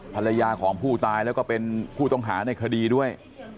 ภรรยาของผู้ตายและผู้ต้องหาในคดีด้วย